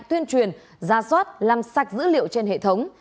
tuyên truyền ra soát làm sạch dữ liệu trên hệ thống